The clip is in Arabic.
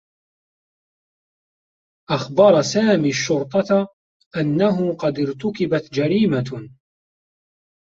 أخبر سامي الشّرطة أنّه قد ارتُكبت جريمة.